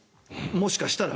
もしかしたら。